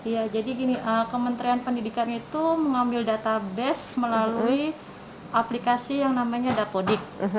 ya jadi gini kementerian pendidikan itu mengambil database melalui aplikasi yang namanya dapodik